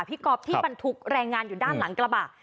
ก๊อฟที่บรรทุกแรงงานอยู่ด้านหลังกระบะ